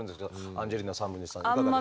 アンジェリーナ1/3さんいかがですか？